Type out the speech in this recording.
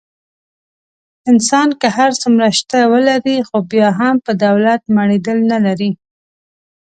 انسان که هر څومره شته ولري. خو بیا هم په دولت مړېدل نه لري.